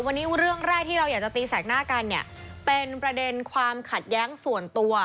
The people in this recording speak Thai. วันนี้เรื่องแรกที่เราอยากจะตีแสกหน้ากันเนี่ยเป็นประเด็นความขัดแย้งส่วนตัว